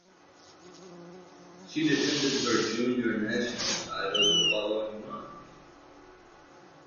She defended her junior national title the following month.